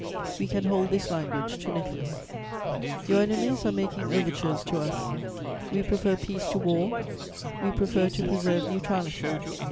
We can hold this language to Nicholas: "'Your enemies are making overtures to us; we prefer peace to war, we prefer to preserve neutrality.